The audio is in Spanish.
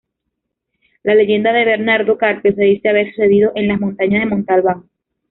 La leyenda de Bernardo Carpio se dice haber sucedido en las montañas de Montalbán.